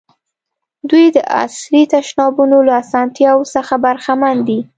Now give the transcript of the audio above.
دوی د عصري تشنابونو له اسانتیاوو هم برخمن دي.